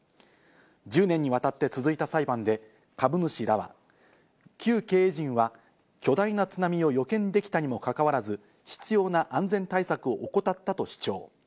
１０年にわたって続いた裁判で、株主らは旧経営陣は巨大な津波を予見できたにもかかわらず必要な安全対策を怠ったと主張。